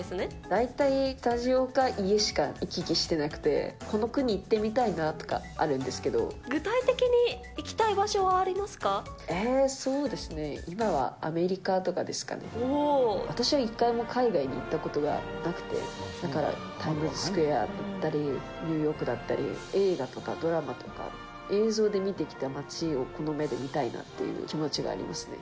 大体スタジオか家しか行き来してなくて、この国行ってみたい具体的に行きたい場所はありえー、そうですね、今はアメリカとかですかね。私は一回も海外に行ったことがなくて、だからタイムズスクエア行ったり、ニューヨークだったり、映画とかドラマとか、映像で見てきた街をこの目で見たいなっていう気持ちがありますね。